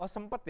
oh sempat ya